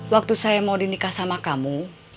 waktu saya mau dinikah sama kamu